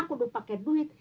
aku udah pakai duit